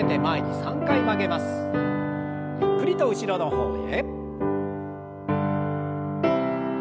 ゆっくりと後ろの方へ。